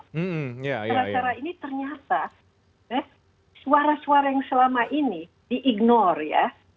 cara cara ini ternyata suara suara yang selama ini di ignore ya